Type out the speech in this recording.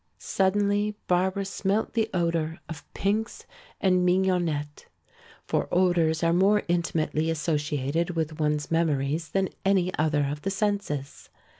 Suddenly Barbara smelt the odor of pinks and mignonette. For odors are more intimately associated with one's memories than any other of the senses.